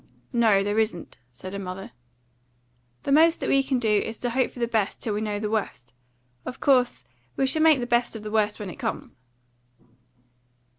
"No, there isn't," said her mother. "The most that we can do is to hope for the best till we know the worst. Of course we shall make the best of the worst when it comes."